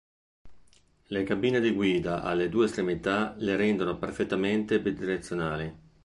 Le cabine di guida alle due estremità le rendono perfettamente bidirezionali.